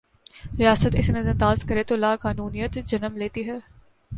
ریاست اسے نظر انداز کرے تولاقانونیت جنم لیتی ہے۔